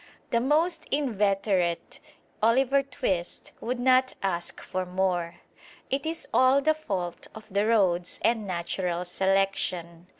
The most inveterate Oliver Twist would not "ask for more." It is all the fault of the roads and natural selection.